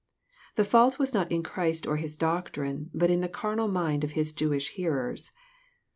The fault was not in Christ or His doctrine, but in the carnal mind of His Jewish hearers.